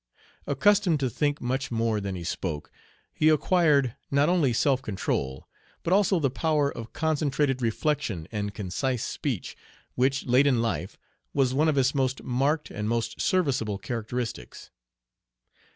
Accustomed to think much more than he spoke, he acquired not only self control, but also the power of concentrated reflection and concise speech, which, late in life, was one of his most marked and most serviceable characteristics.